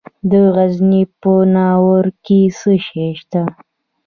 د غزني په ناوور کې څه شی شته؟